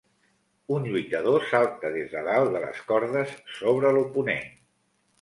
Un lluitador salta des de dalt de les cordes sobre l'oponent.